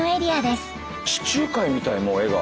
地中海みたいもう絵が。